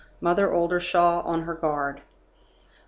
V. MOTHER OLDERSHAW ON HER GUARD. 1.